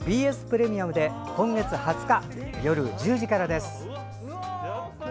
ＢＳプレミアムで今月２０日、夜１０時からです。